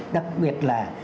đặc biệt là